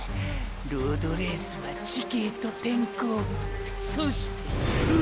ロードレースは地形と天候そして運！！